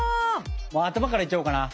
もう頭からいっちゃおうかな。